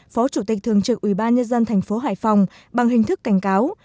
phó chủ tịch thường trực ủy ban nhân dân thành phố hải phòng bằng hình thức cảnh cáo